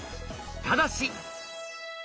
ただし。